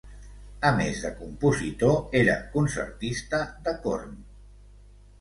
A més de compositor era concertista de corn.